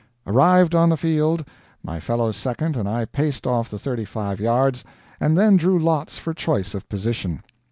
Arrived on the field, my fellow second and I paced off the thirty five yards, and then drew lots for choice of position.